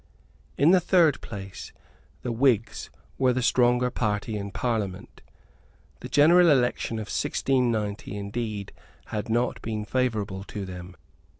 In the third place, the Whigs were the stronger party in Parliament. The general election of 1690, indeed, had not been favourable to them.